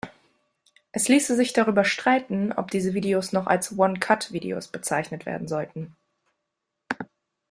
Es ließe sich darüber streiten, ob diese Videos noch als "One-Cut-Videos" bezeichnet werden sollten.